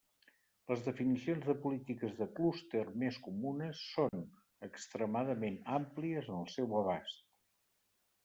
Les definicions de polítiques de clúster més comunes són extremadament àmplies en el seu abast.